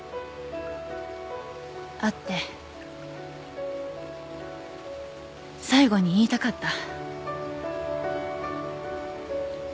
会って最後に言いたかった。